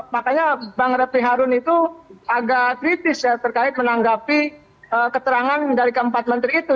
makanya bang repli harun itu agak kritis ya terkait menanggapi keterangan dari keempat menteri itu